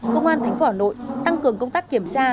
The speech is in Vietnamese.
công an tp hà nội tăng cường công tác kiểm tra